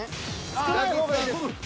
少ない方がいいです。